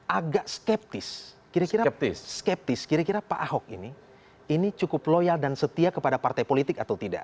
agak skeptis kira kira pak ahok ini cukup loyal dan setia kepada partai politik atau tidak